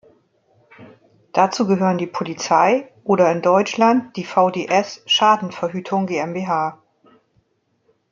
Dazu gehören die Polizei oder in Deutschland die VdS Schadenverhütung GmbH.